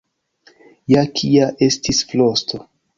Ja kia estis frosto.